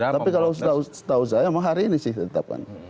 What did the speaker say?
tapi kalau setahu saya memang hari ini sih ditetapkan